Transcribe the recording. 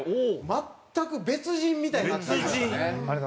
全く別人みたいになったね。